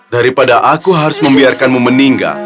daripada aku harus membiarkanmu meninggal